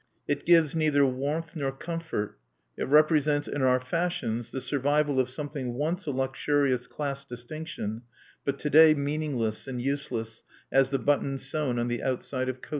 It gives neither warmth nor comfort. It represents in our fashions the survival of something once a luxurious class distinction, but to day meaningless and useless as the buttons sewn on the outside of coat sleeves.